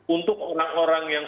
untuk orang orang yang